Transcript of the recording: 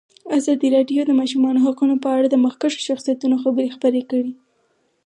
ازادي راډیو د د ماشومانو حقونه په اړه د مخکښو شخصیتونو خبرې خپرې کړي.